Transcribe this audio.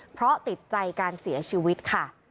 เพราะติดใจการเสียชีวิตค่ะ